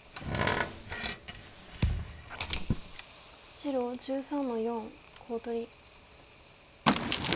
白１３の四コウ取り。